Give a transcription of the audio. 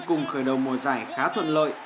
cùng khởi đầu mùa giải khá thuận lợi